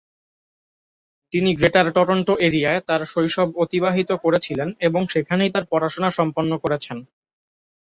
তিনি greater Toronto এরিয়ায় তাঁর শৈশব অতিবাহিত করেছিলেন এবং সেখানেই তাঁর পড়াশোনা সম্পন্ন করেছেন।